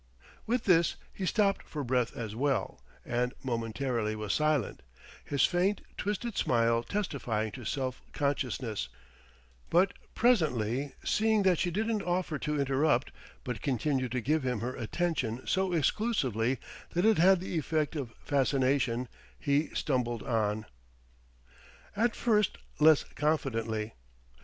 With this he stopped for breath as well, and momentarily was silent, his faint, twisted smile testifying to self consciousness; but presently, seeing that she didn't offer to interrupt, but continued to give him her attention so exclusively that it had the effect of fascination, he stumbled on, at first less confidently.